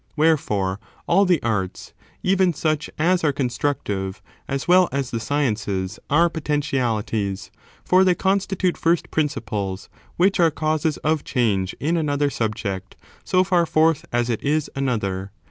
Wherefore, all the arts, even such as are constructive,' as well as the sciences, are potentialities ; for they constitute first principles which are causes of change in another subject, so far forth as it is another.